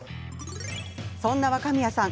そんな若宮さん